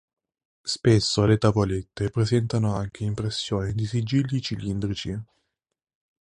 Spesso le tavolette presentano anche impressioni di sigilli cilindrici.